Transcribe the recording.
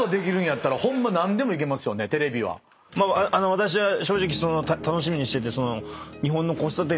私は正直楽しみにしてて。